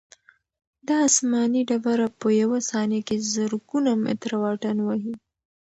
دا آسماني ډبره په یوه ثانیه کې زرګونه متره واټن وهي.